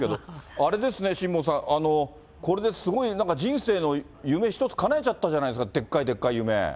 あれですね、辛坊さん、これですごいなんか、人生の夢１つかなえちゃったじゃないですか、でっかいでっかい夢。